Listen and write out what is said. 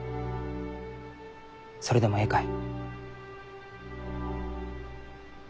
それでもえいかえ？